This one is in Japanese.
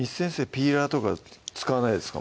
ピーラーとか使わないですか？